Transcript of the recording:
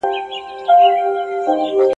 په الاهو راغلی خوبه خو چي نه تېرېدای `